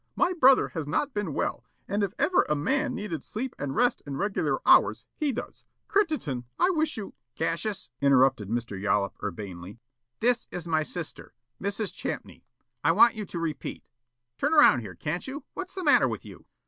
My brother has not been well and if ever a man needed sleep and rest and regular hours, he does. Crittenden, I wish you " "Cassius," interrupted Mr. Yollop urbanely, "this is my sister, Mrs. Champney. I want you to repeat Turn around here, can't you? What's the matter with you?"